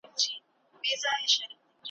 کښتۍ وان چي وه لیدلي توپانونه`